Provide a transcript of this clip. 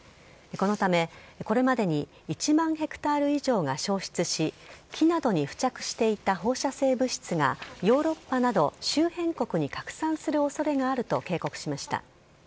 このため、これまでに１万ヘクタール以上が焼失し、木などに付着していた放射性物質が、ヨーロッパなど周辺国に拡散するおそれがあると警告しました。